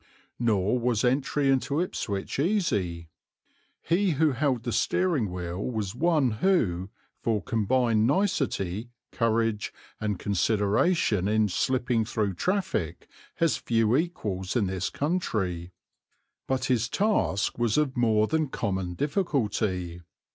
Nor was entry into Ipswich easy. He who held the steering wheel was one who, for combined nicety, courage, and consideration in slipping through traffic, has few equals in this country; but his task was of more than common difficulty.